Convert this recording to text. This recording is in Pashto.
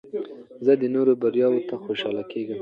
زه د نورو بریاوو ته خوشحاله کېږم.